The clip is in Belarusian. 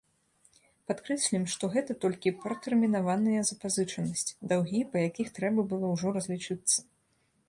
Падкрэслім, што гэта толькі пратэрмінаваная запазычанасць, даўгі, па якіх трэба было ўжо разлічыцца.